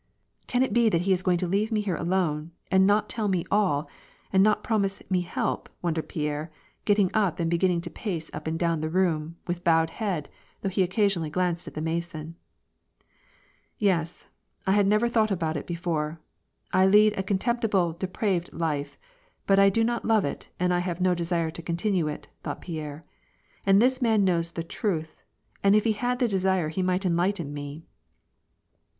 " Can it be that he is going to leave me here alone, and not tell me all, and not promise me help," wondered Pierre, getting up, and beginning to pace up and down the room, with bowed head, though he occasionally glanced at the Mason. " Yes, I had never thought about it before, I lead a contempt ible, depraved life, but I do not love it, and I have no desire to continue it," thought Pierre. "And this man knows the truth, and if he had the desire he might enlighten me."